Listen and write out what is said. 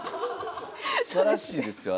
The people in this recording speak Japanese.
すばらしいですよ